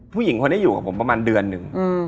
ผู้หญิงคนนี้อยู่กับผมประมาณเดือนหนึ่ง